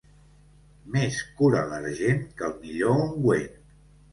Més cura l'argent que el millor ungüent.